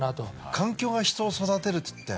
環境が人を育てるっつって。